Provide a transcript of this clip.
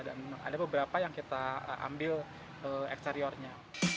dan ada beberapa yang kita ambil eksteriornya